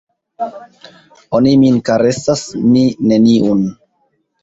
Oni min karesas, mi neniun!